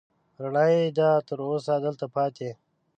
رڼايي يې ده، تر اوسه دلته پاتې